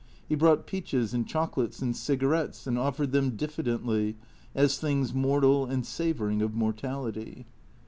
He brought peaches and chocolates and cigarettes, and offered them diffidently, as things mortal and savouring of mortality.